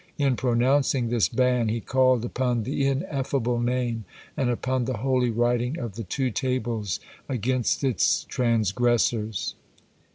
In pronouncing this ban, he called upon the Ineffable Name and upon the holy writing of the two tables against its transgressors.